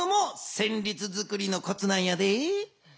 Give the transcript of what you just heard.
せんりつづくりのコツなんやで。